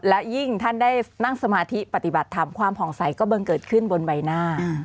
และยิ่งท่านได้นั่งสมาธิปฏิบัติธรรมความผ่องใสก็บังเกิดขึ้นบนใบหน้า